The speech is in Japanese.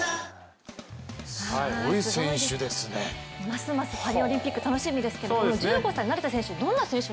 ますますパリオリンピック楽しみですけれども１５歳の成田選手